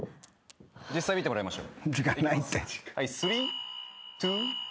実際見てもらいましょう。